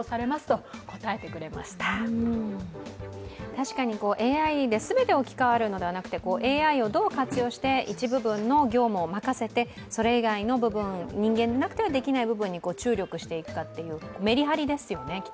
確かにＡＩで全て置き換わるのではなくてＡＩをどう活用して一部分の業務を任せてそれ以外の部分、人間でなくてはできない部分に注力していくかっていうメリハリですよね。